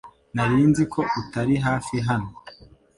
Nari nzi ko utari hafi hano .